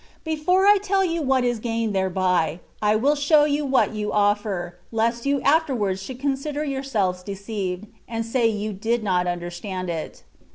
Before I tell you what is gained thereby, I will show you what you offer, lest you afterwards should consider yourselves deceived, and say you did not understand it.